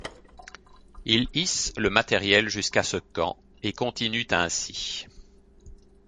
Ils hissent le matériel jusqu'à ce camp et continuent ainsi.